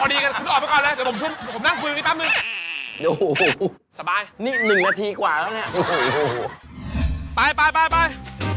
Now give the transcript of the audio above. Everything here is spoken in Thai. เดินออกเลยผมให้คุณ๑๕นาทีถ้าผมตามไป